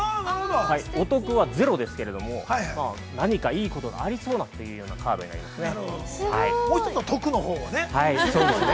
お得はゼロですけれども、何かいいことがありそうなというようなカードになりますね。